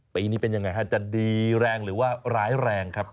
ปีนี้เป็นยังไงฮะจะดีแรงหรือว่าร้ายแรงครับ